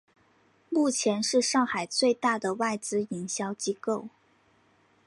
目前是上海最大的外资营销机构。